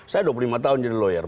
saya dua puluh lima tahun jadi lawyer